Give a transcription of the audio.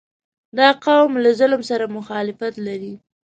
• دا قوم له ظلم سره مخالفت لري.